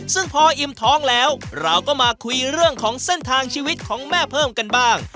ซึ่งพออิ่มท้องแล้วเราก็มาคุยเรื่องของเส้นทางชีวิตของแม่เพิ่มกันบ้าง